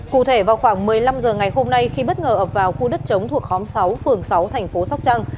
cụ thể vào khoảng một mươi năm giờ ngày hôm nay khi bất ngờ ập vào khu đất chống thuộc khóm sáu phường sáu tp sóc trăng